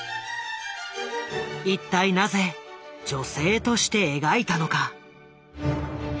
一体なぜ女性として描いたのか。